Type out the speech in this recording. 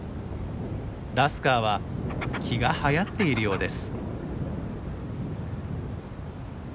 ラスカーは気がはやっているようです。